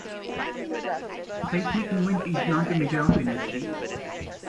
Seismic moment is not a measure of energy.